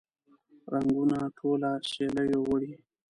رنګونه ټوله سیلیو وړي